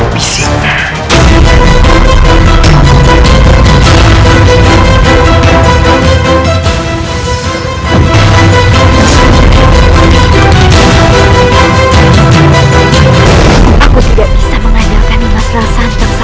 aku tidak bisa mengajarkan